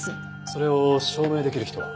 それを証明できる人は？